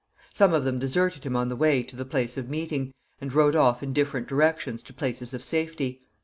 Some of them deserted him on the way to the place of meeting, and rode off in different directions to places of safety.